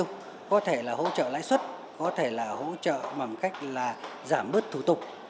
có thể là hỗ trợ lãi suất có thể là hỗ trợ bằng cách là giảm bớt thủ tục